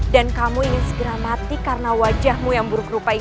dan kamu ingin segera mati karena wajahmu yang buruk rupa itu